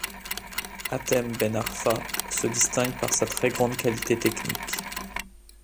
Hatem Ben Arfa se distingue par sa très grande qualité technique.